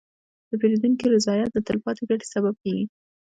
د پیرودونکي رضایت د تلپاتې ګټې سبب کېږي.